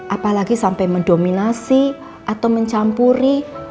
apalagi sampai mendominasi atau mencampuri